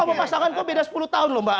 sama pasangan kok beda sepuluh tahun loh mbak